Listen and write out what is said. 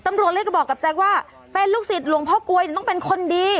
ตำรวจเลยก็บอกกับแจ๊คว่าเป็นลูกศิษย์หลวงพ่อกลวยต้องเป็นคนดี